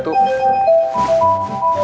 tuk tuk tuk